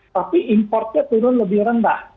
tapi importnya turun lebih rendah